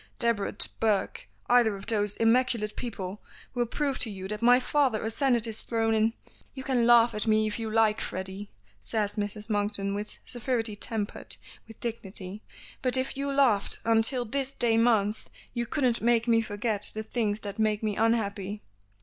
Debrett Burke either of those immaculate people will prove to you that my father ascended his throne in " "You can laugh at me if you like, Freddy," says Mrs. Monkton with severity tempered with dignity; "but if you laughed until this day month you couldn't make me forget the things that make me unhappy."